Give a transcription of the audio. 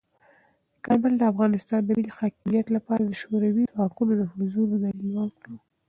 کارمل د افغانستان د ملی حاکمیت لپاره د شوروي ځواکونو د حضور دلیل ورکړ.